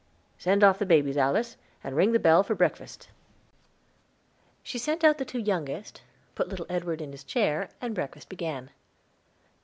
"Send off the babies, Alice, and ring the bell for breakfast." She sent out the two youngest, put little Edward in his chair, and breakfast began.